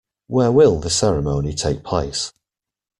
Where will the ceremony take place?